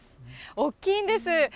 大きいんです。